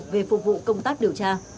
về phục vụ công tác điều tra